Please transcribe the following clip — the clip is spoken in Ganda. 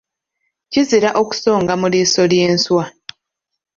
Kizira okusonga mu liiso ly’enswa.